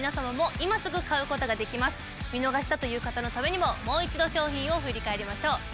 見逃した方のためにももう一度商品を振り返りましょう。